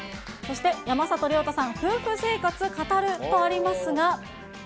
そして、山里亮太さん、夫婦生活を語るとありますが。